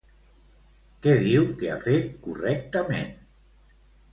Què diu que ha fet correctament?